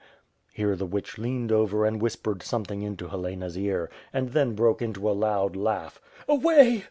..." Here the witch leaned over and whispered something into Helena's ear, and then broke into a loud laugh. "Away!"